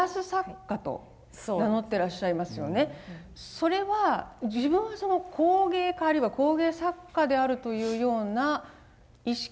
それは自分は工芸家あるいは工芸作家であるというような意識はあるか。